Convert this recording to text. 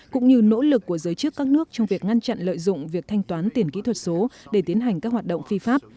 cũng như nỗ lực của giới chức các nước trong việc ngăn chặn lợi dụng việc thanh toán tiền kỹ thuật số để tiến hành các hoạt động phi pháp